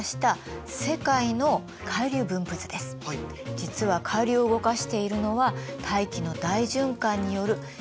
実は海流を動かしているのは大気の大循環による風なの。